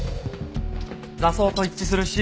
挫創と一致するし